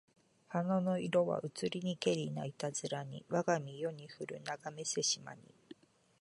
花の色はうつりにけりないたづらにわが身世にふるながめせしまに